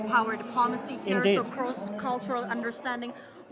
jadi pemahaman kultur apa strategi anda